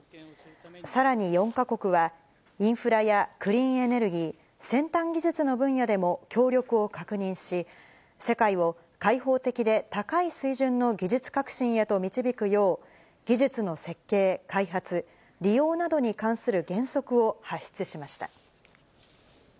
さらに４か国は、インフラやクリーンエネルギー、先端技術の分野でも協力を確認し、世界を開放的で高い水準の技術革新へと導くよう、技術の設計、開発、利用などに関する原則を発出しました。